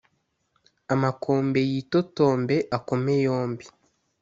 Amakombe yitotombe akome yombi